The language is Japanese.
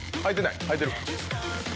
はいてる？